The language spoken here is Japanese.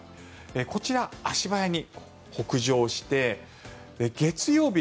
こちら、足早に北上して月曜日